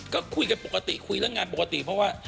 ก็คุยกันปกติคุยเรื่องงานปกติเพราะว่า